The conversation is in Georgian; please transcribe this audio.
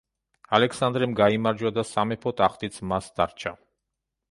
ალექსანდრემ გაიმარჯვა და სამეფო ტახტიც მას დარჩა.